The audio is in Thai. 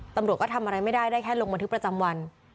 ตำรวจก็ทำอะไรไม่ได้ได้แค่ลงบันทึกประจำวัน